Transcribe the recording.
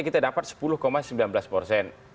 kita dapat sepuluh sembilan belas persen